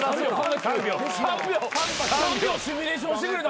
３秒シミュレーションしてくれたんですね。